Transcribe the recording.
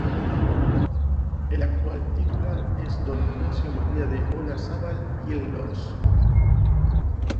El actual titular es don Ignacio María de Olazábal y Elorz.